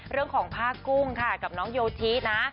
เรื่องของผ้ากุ้งค่ะกับน้องโยธินะ